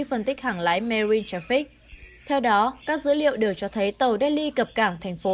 phân tích hàng lái mary fix theo đó các dữ liệu đều cho thấy tàu delhi cập cảng thành phố